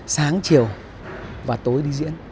sáng chiều và tối đi diễn